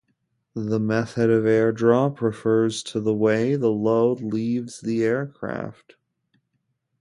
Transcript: The method of airdrop refers to the way the load leaves the aircraft.